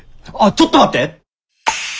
ちょっと待って。